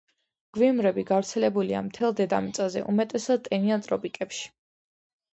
გვიმრები გავრცელებულია მთელ დედამიწაზე, უმეტესად ტენიან ტროპიკებში.